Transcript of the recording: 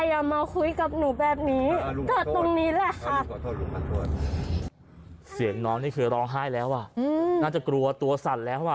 อ๋อลุงไม่มีเมียลุงตายหกปีแล้วหกเจ็ดปีแล้ว